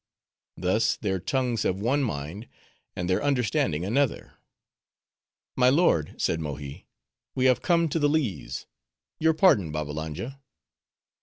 Thus, their tongues have one mind, and their understanding another." "My lord," said Mohi, "we have come to the lees; your pardon, Babbalanja."